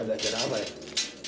ada acara apa ya